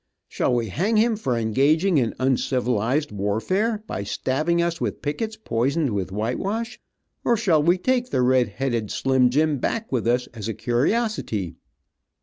Shall we hang him for engaging in uncivilized, warfare, by stabbing us with pickets poisoned with whitewash, or shall we take the red headed slim jim back with us as a curiosity."